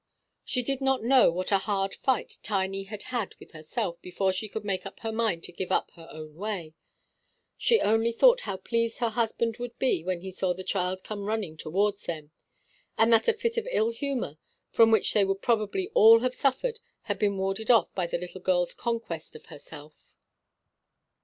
She did not know what a hard fight Tiny had had with herself before she could make up her mind to give up her own way; she only thought how pleased her husband would be when he saw the child come running towards him, and that a fit of ill humour, from which they would probably all have suffered, had been warded off by the little girl's conquest of herself.